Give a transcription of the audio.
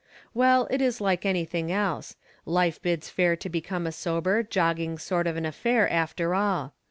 Well, it is like anything else. Life bids fair to become a sober, jogging sort of an affair after all.